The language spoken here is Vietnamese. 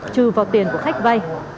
trừ vào tiền của khách vay